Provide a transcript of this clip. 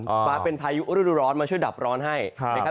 มาเป็นพายุฤดูร้อนมาช่วยดับร้อนให้นะครับ